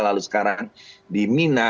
lalu sekarang di mina